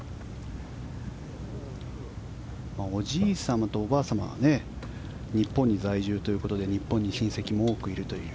おじい様とおばあ様は日本に在住ということで日本に親戚も多くいるという。